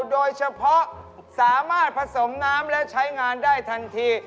โดยเฉพาะสามารถผสมน้ำและใช้งานได้ทันที